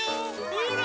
ほら！